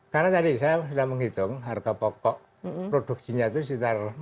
karena tadi saya sudah menghitung harga pokok produksinya itu sekitar empat puluh